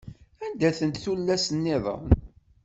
Anda-tent tullas-nniḍen?